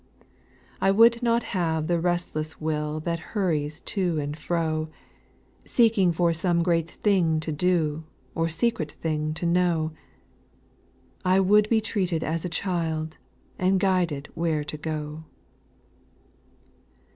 ; 3. / I would not have the restless will That hurries to and fro, Seeking for some great thing to do, Or secret thing to know ; I would be treated as a child. And guided where I go.